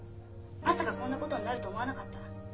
まさかこんなことになると思わなかった。